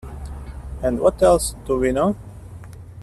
And what else do we know?